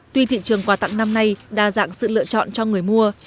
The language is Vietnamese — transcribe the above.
tuy thị trường quà tặng năm nay đa dạng sự lựa chọn cho người mua